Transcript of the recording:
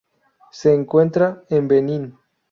Se encuentra en Benín.